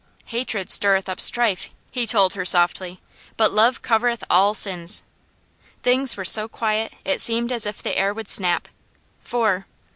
"Hatred stirreth up strife," he told her softly, "but love covereth all sins." Things were so quiet it seemed as if the air would snap. "Four."